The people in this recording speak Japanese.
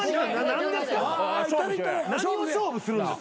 何を勝負するんですか？